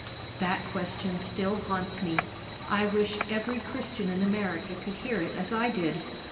"That question still haunts me. I wish every Christian in America could hear it as I did.